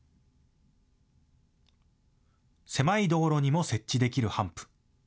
狭い道路にも設置できるハンプ。